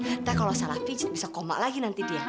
nanti kalau salah pijat bisa koma lagi nanti dia